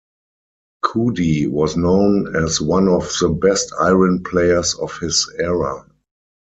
Coody was known as one of the best iron players of his era.